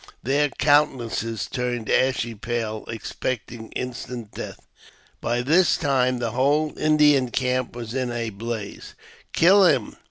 Their countenances turned ashy pale, expecting instant death. By this time the whole Indian camp was in a blaze. " Kill him